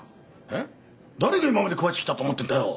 えっ誰が今まで食わしてきたと思ってるんだよ！？